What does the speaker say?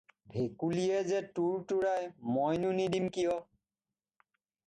“ভেকুলীয়ে যে টোৰ্টোৰায় মইনো নিদিম কিয়?”